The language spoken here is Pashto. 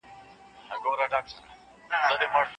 محیط د ژوند لپاره مهم دی.